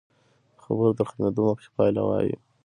د خبرو تر ختمېدو مخکې پایله وایو.